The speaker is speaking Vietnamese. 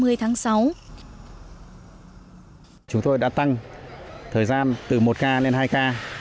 trung tâm báo chí apec đã tăng thời gian từ một k lên hai k